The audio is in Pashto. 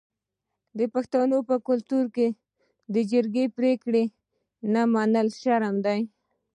د پښتنو په کلتور کې د جرګې پریکړه نه منل شرم دی.